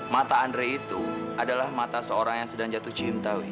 mata andre itu adalah mata seorang yang sedang jatuh cinta